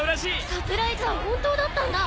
サプライズは本当だったんだ。